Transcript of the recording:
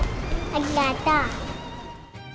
ありがとう。